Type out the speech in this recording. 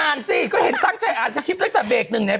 อ่านสิก็เห็นตั้งใจอ่านสกริปเล็กต่อเบรกนึงเนี่ย